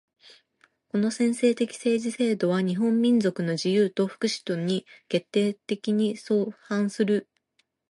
この専制的政治制度は日本民族の自由と福祉とに決定的に相反する。